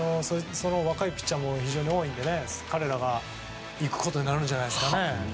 若いピッチャーも非常に多いので彼らが行くことになるんじゃないですかね。